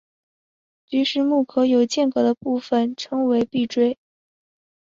菊石目壳有间隔的部份称为闭锥。